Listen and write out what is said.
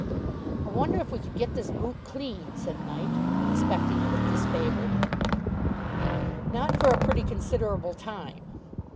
"I wonder if we could get this boot clean," said Mike, inspecting it with disfavour. "Not for a pretty considerable time."